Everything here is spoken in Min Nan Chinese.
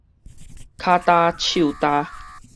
跤焦手焦